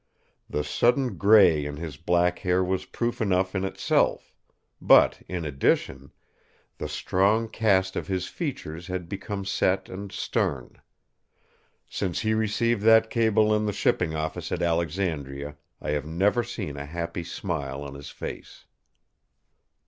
The sudden grey in his black hair was proof enough in itself; but in addition, the strong cast of his features had become set and stern. Since he received that cable in the shipping office at Alexandria I have never seen a happy smile on his face.